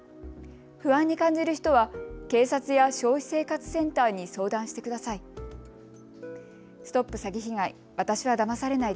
不安に感じる人は警察や消費生活センターに相談してください。